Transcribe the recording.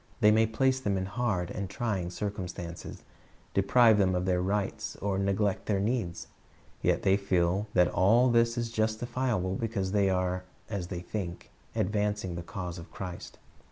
They may place them in hard and trying circumstances, deprive them of their rights, or neglect their needs. Yet the}' feel that all this is justifiable because they are, as they think, advancing the cause of Christ.